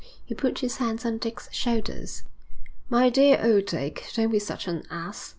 He put his hands on Dick's shoulders. 'My dear old Dick, don't be such an ass.